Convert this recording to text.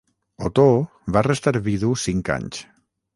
Otó va restar vidu cinc anys.